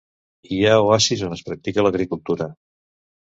Hi ha oasis on es practica l'agricultura.